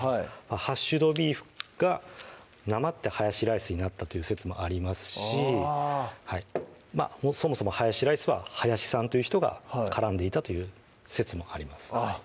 ハッシュドビーフがなまってハヤシライスになったという説もありますしそもそもハヤシライスはハヤシさんという人が絡んでいたという説もありますあっ